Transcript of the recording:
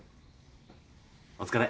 お疲れ。